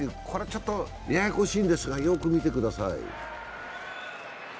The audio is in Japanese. ちょっとややこしいんですが、よーく見てください。